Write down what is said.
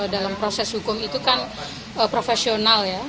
dalam proses hukum itu kan profesional ya